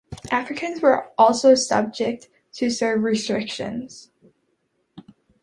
Africans were also subjected to severe restrictions.